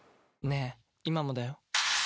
「ねぇ、今もだよ」